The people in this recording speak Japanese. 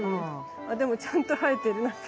あでもちゃんと生えてる何か。